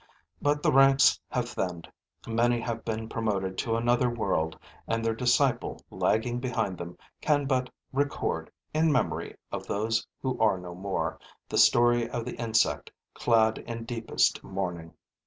But the ranks have thinned, many have been promoted to another world and their disciple lagging behind them can but record, in memory of those who are no more, the story of the insect clad in deepest mourning.